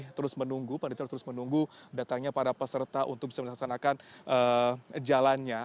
kita terus menunggu panitia terus menunggu datangnya para peserta untuk bisa melaksanakan jalannya